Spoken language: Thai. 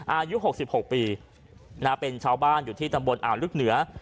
อายุ๖๖ปีเป็นชาวบ้านอยู่ที่ตำบลอ่าวลึกเหนือ